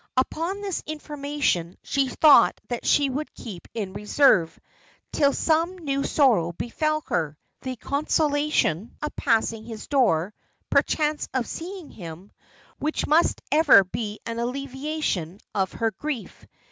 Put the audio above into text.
Upon this information, she thought that she would keep in reserve, till some new sorrow befell her, the consolation of passing his door (perchance of seeing him) which must ever be an alleviation of her grief.